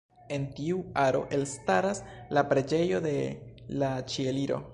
En tiu aro elstaras la Preĝejo de la Ĉieliro.